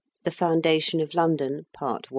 THE FOUNDATION OF LONDON. PART I.